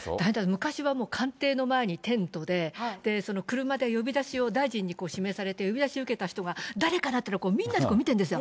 昔はもう、官邸の前にテントで、車で呼び出しを、大臣に指名されて呼び出しを受けた人を、誰かな？っていうのをみんなで見てるんですよ。